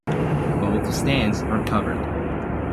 Both stands are covered.